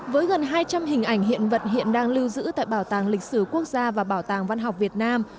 với gần hai trăm linh hình ảnh hiện vật hiện đang lưu giữ tại bảo tàng lịch sử quốc gia và bảo tàng văn học việt nam